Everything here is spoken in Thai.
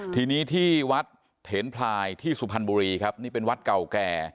ทีนี้ที่วัดเถนพลายที่สุพรรณบุรีครับนี่เป็นวัดเก่าแก่